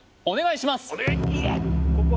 お願いします